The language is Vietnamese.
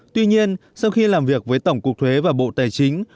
tuy nhiên sau khi làm việc với tổng cục thuế và bộ tài chính